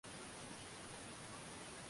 na juhudi za kuwahamisha maelfu ya wananchi